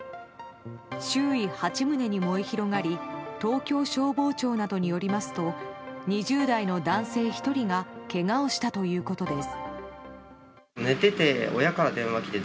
周囲８棟に燃え広がり東京消防庁などによりますと２０代の男性１人がけがをしたということです。